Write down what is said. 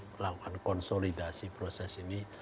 melakukan konsolidasi proses ini